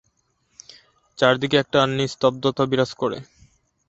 চারিদিকে একটা নিস্তব্ধতা বিরাজ করে।